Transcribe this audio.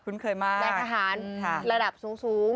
แรกทะฮานระดับสูง